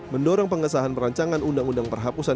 mendorong pengesahan perancangan undang undang perhapusan